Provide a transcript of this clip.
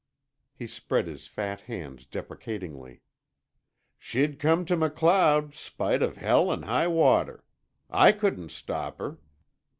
He spread his fat hands deprecatingly. "She'd come to MacLeod, spite of hell 'n' high water. I couldn't stop her.